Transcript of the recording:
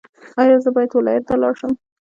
ایا زه باید ولایت ته لاړ شم؟